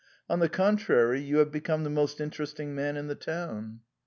On the contrary, you are the most inter esting man in the town."